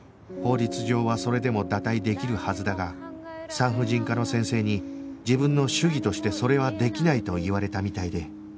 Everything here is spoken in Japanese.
法律上はそれでも堕胎できるはずだが産婦人科の先生に自分の主義としてそれはできないと言われたみたいで